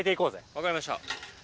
分かりました。